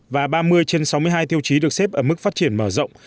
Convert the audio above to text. và ba mươi trên sáu mươi hai tiêu chí được xếp ở mức phát triển mở rộng